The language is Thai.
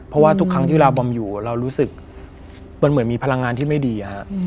เพราะว่าทุกครั้งที่เวลาบอมอยู่เรารู้สึกมันเหมือนมีพลังงานที่ไม่ดี